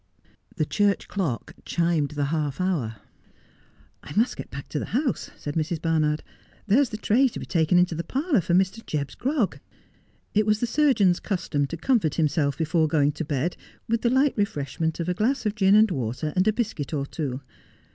' The church clock chimed the half hour. ' I must get back to the house,' said Mrs. Barnard. ' There's the tray to be taken into the parlour for Mr. Jebb's grog.' It was the surgeon's custom to comfort himself before going to bed with the light refreshment of a glass of gin and water and a biscuit or two.